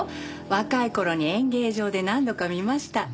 若い頃に演芸場で何度か見ました。